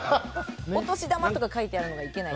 お年玉とか書いてあるのがいけない。